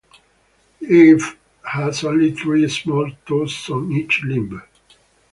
It has only three small toes on each limb.